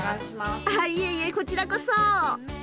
いえいえこちらこそ！